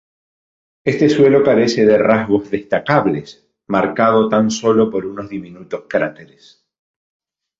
Este suelo carece de rasgos destacables, marcado tan solo por unos diminutos cráteres.